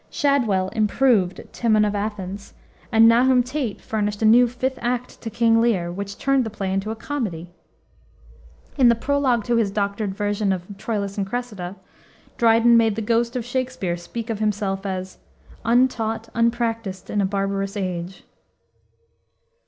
Shadwell "improved" Timon of Athens, and Nahum Tate furnished a new fifth act to King Lear, which turned the play into a comedy! In the prologue to his doctored version of Troilus and Cressida, Dryden made the ghost of Shakspere speak of himself as "Untaught, unpracticed in a barbarous age."